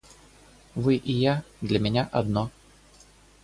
Вы и я для меня одно.